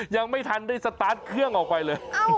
ยังไม่ทันได้สตาร์ทเครื่องออกไปเลย